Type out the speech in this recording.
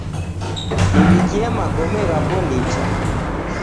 Niw'ikie magome ghapo nicha.